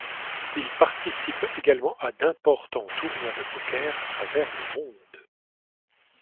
Il participe également à d'importants tournois de poker à travers le monde.